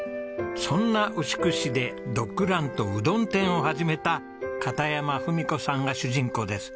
そんな牛久市でドッグランとうどん店を始めた片山文子さんが主人公です。